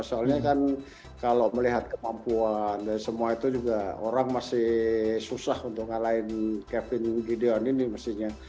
soalnya kan kalau melihat kemampuan dan semua itu juga orang masih susah untuk ngalahin kevin gideon ini mestinya